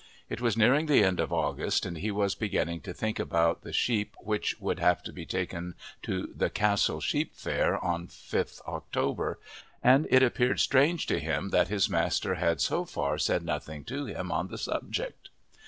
It was nearing the end of August and he was beginning to think about the sheep which would have to be taken to the "Castle" sheep fair on 5th October, and it appeared strange to him that his master had so far said nothing to him on the subject.